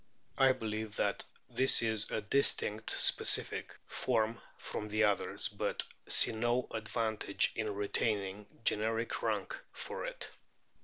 I believe that this is a distinct specific form from the others, but see no advantage in retaining generic rank for it.